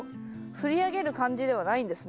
振り上げる感じではないんですね。